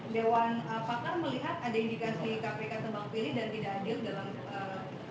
dewan pak kan melihat ada indikasi kpk tebang pilih dan tidak adil dalam